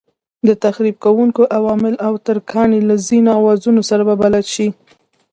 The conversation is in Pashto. د تخریب کوونکو عواملو او ترکاڼۍ له ځینو اوزارونو سره به بلد شئ.